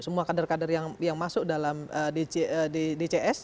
semua kader kader yang masuk dalam dcs itu disekolahkan